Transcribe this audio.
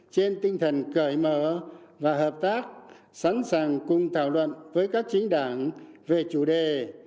trên tinh thần cởi mở và hợp tác sẵn sàng cùng thảo luận với các chính đảng về chủ đề